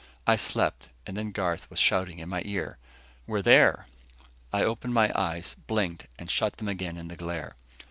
I slept, and then Garth was shouting in my ear: "We're there!" I opened my eyes, blinked, and shut them again in the glare.